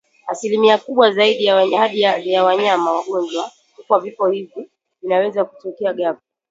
Asilimia kubwa hadi ya wanyama wagonjwa hufa Vifo hivi vinaweza kutokea ghafla